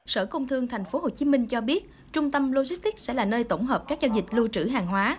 sở công thương tp hcm cho biết trung tâm logistics sẽ là nơi tổng hợp các giao dịch lưu trữ hàng hóa